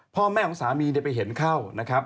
พ่อแม่ของสามีไปเห็นเข้านะครับ